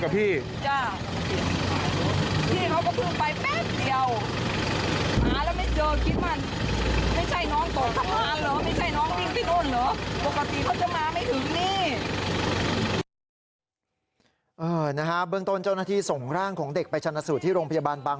พี่เขาจะออกมาข้างนอกแล้วเขาเดินตามพี่เขามา